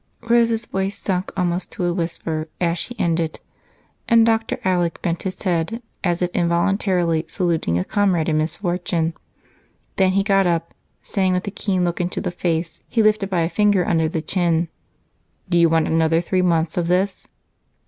Rose's voice sank almost to a whisper as she ended, and Dr. Alec bent his head, as if involuntarily saluting a comrade in misfortune. Then he got up, saying with a keen look into the face he lifted by a finger under the chin: "Do you want another three months of this?"